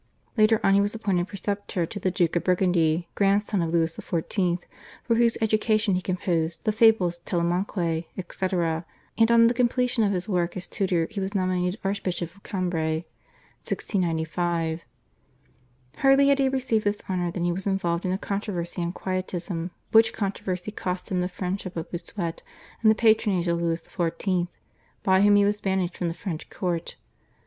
Later on he was appointed preceptor to the Duke of Burgundy, grandson of Louis XIV., for whose education he composed the /Fables, Telemaque/, etc., and on the completion of his work as tutor he was nominated Archbishop of Cambrai (1695). Hardly had he received this honour than he was involved in a controversy on Quietism, which controversy cost him the friendship of Bossuet and the patronage of Louis XIV., by whom he was banished from the French court.